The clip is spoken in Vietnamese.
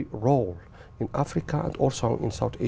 và tôi nghĩ chúng ta có thể